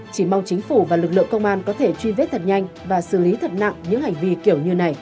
chỉ mong chính phủ và lực lượng công an có thể truy vết thật nhanh và xử lý thật nặng những hành vi kiểu như này